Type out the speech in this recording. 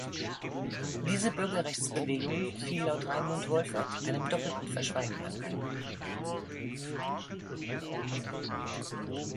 Diese Bürgerrechtsbewegung fiel laut Raimund Wolfert einem „doppelten Verschweigen anheim“.